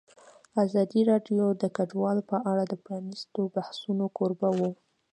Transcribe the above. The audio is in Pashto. ازادي راډیو د کډوال په اړه د پرانیستو بحثونو کوربه وه.